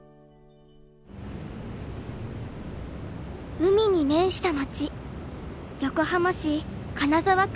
海に面した町横浜市金沢区。